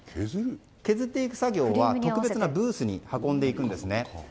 削っていく作業は特別なブースに運んでいくんですね。